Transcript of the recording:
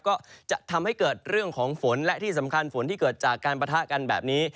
ก็จะทำให้เกิดเรื่องของฝนและที่สำคัญฝนที่เกิดจากการปะทะกันแบบนี้